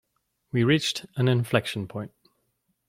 We reached an inflexion point.